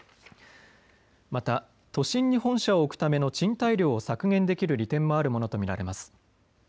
また都心に本社を置くための賃貸料を削減できる利点もあるものと見られます。